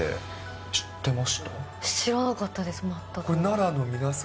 知らなかったです、全く。